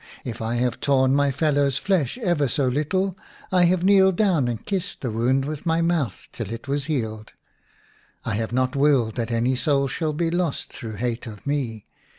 If I have torn my fellows' flesh ever so little, I have kneeled down and kissed the wound with my mouth till it was healed. I have not willed that any soul should be lost through hate of me.